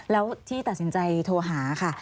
แล้วที่ตัดสินใจโทรหาค่ะ